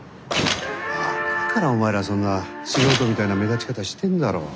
ああだからお前らそんな素人みたいな目立ち方してんだろ。